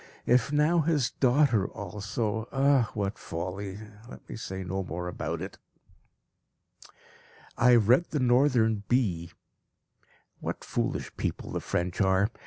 If now his daughter also ah! what folly let me say no more about it! I have read the Northern Bee. What foolish people the French are!